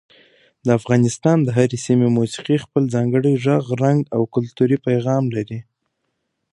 د افغانستان د هرې سیمې موسیقي خپل ځانګړی غږ، رنګ او کلتوري پیغام لري.